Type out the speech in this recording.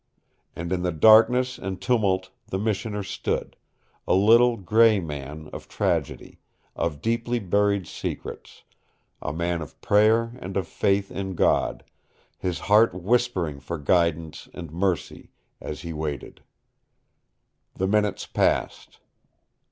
And in the darkness and tumult the Missioner stood, a little gray man of tragedy, of deeply buried secrets, a man of prayer and of faith in God his heart whispering for guidance and mercy as he waited. The minutes passed.